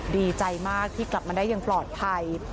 ดีใจมากที่กลับมาได้อย่างปลอดภัย